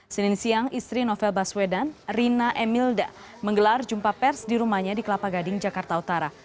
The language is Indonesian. senin siang istri novel baswedan rina emilda menggelar jumpa pers di rumahnya di kelapa gading jakarta utara